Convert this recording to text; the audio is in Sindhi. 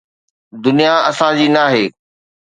دنيا اسان جي ناهي.